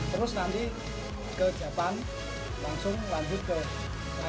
terus nanti ke jepang langsung lanjut ke r tiga